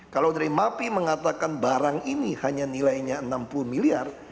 kalau dari mapi mengatakan barang ini hanya nilainya enam puluh miliar